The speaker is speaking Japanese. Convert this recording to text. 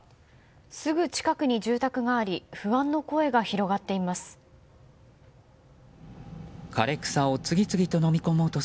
すぐ近くに住宅があり不安の声が広がっています。